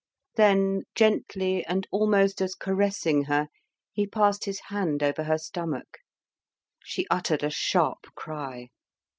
Then gently, and almost as caressing her, he passed his hand over her stomach. She uttered a sharp cry.